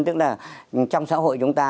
tức là trong xã hội chúng ta